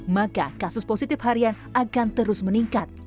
maka kasus positif harian akan terus meningkat